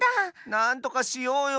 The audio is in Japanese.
なんとかしようよ。